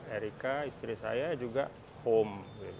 erika istri saya juga home